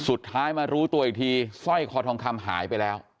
สุดท้ายมารู้ตัวอีกทีสร้อยคอทองคำหายไปแล้ว